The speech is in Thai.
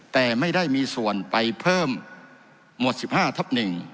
แต่ไม่ได้มีส่วนไปเพิ่มหมวด๑๕ทับ๑